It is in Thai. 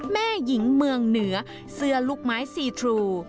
แม่หญิงเมืองเหนือเสื้อลูกไม้ซีทรู